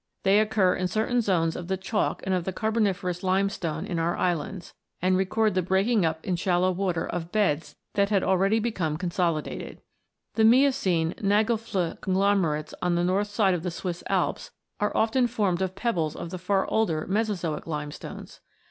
They occur in certain zones of the Chalk and of the Carboniferous Limestone in our islands, and record the breaking up in shallow water of beds that had already become consolidated. The Miocene Nagelfluh conglomerates of the north side of the Swiss Alps are often formed of pebbles of the far older Mesozoic limestones.